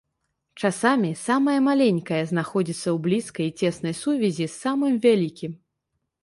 Часамі самае маленькае знаходзіцца ў блізкай і цеснай сувязі з самым вялікім.